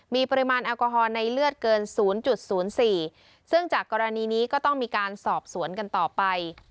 มีปริมาณแอลกอฮอล์ในเลือดเกิน๐๐๔ซึ่งจากกรณีนี้ก็ต้องมีการสอบสวนกันต่อไป